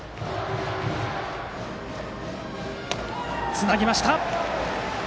つなぎました。